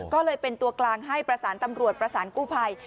ก็เลยเป็นตัวกลางให้ประสานตำรวจประสานกู้ภัย